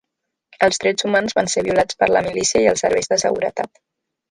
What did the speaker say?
Els drets humans van ser violats per la milícia i els serveis de seguretat.